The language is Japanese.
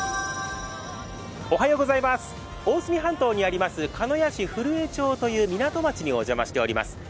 大隅半島にあります鹿屋市古江町という港町にお邪魔しています。